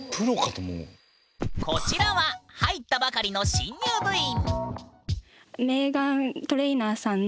こちらは入ったばかりの新入部員。